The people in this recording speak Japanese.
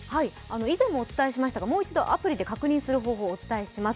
以前もお伝えしましたが、もう一度アプリで確認する方法をお伝えします。